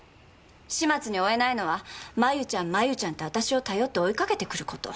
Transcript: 始末に終えないのは「繭ちゃん繭ちゃん」って私を頼って追いかけてくること。